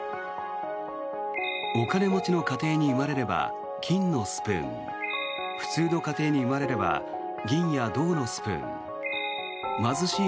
お金持ちの家庭に生まれれば金のスプーン普通の家庭に生まれれば銀や銅のスプーン貧しい